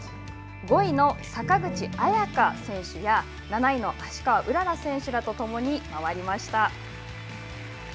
５位の坂口彩夏選手や７位の芦川うらら選手らと共に回りました。